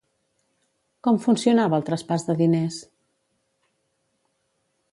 Com funcionava el traspàs de diners?